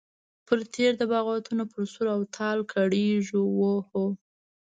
پر تېر د بغاوتونو پر سور او تال کرېږې وهو.